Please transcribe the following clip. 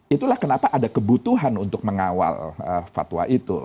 itulah kenapa ada kebutuhan untuk mengawal fatwa itu